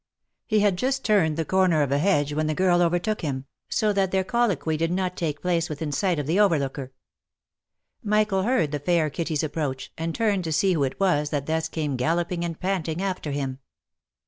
He had just turned the corner of a hedge when the girl overtook him, so that their colloquy did not take place within sight of the over looker. Michael heard the fair Kitty's approach, and turned to see who it was that thus came galloping and panting after him.